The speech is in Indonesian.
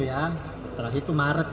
saya tidak berpikiran apapun